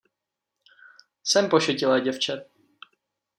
Jsem pošetilé děvče.